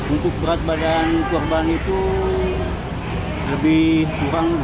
untuk berat badan korban itu lebih kurang dua ratus kg